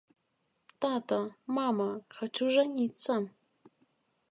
Тата, мама, хачу жаніцца!